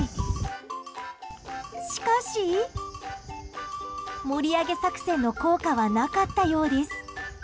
しかし盛り上げ作戦の効果はなかったようです。